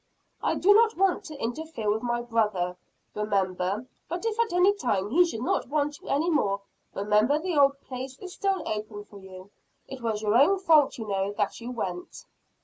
"I do not want to interfere with my brother, remember; but if at any time he should not want you any more, remember the old place is still open for you. It was your own fault, you know, that you went."